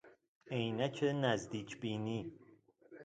عینک نزدیک بینی